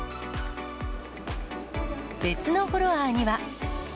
別のフロアには。